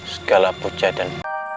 segala puja dan